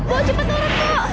bu cepat ke rumahku